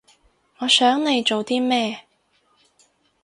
我想你做啲咩